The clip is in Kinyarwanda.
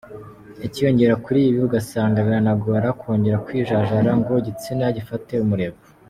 Icyiyongera kuri ibi ugasanga biranagorana kongera kwijajajara ngo igitsina gifate umurego.